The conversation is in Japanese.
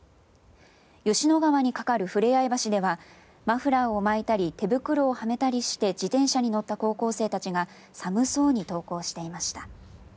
吉野川にかかるふれあい橋ではマフラーをまいたり手袋をはめたりして自転車に乗った高校生たちが寒そうに登校していました。